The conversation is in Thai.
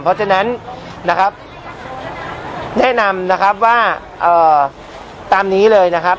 เพราะฉะนั้นนะครับแนะนำนะครับว่าตามนี้เลยนะครับ